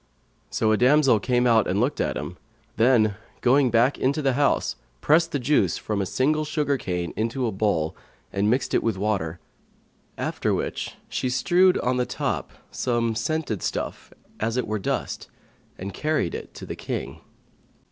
So a damsel came out and looked at him; then, going back into the house, pressed the juice from a single sugar cane into a bowl and mixed it with water; after which she strewed on the top some scented stuff, as it were dust, and carried it tot he King.